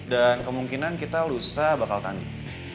dan kemungkinan kita lusa bakal tandi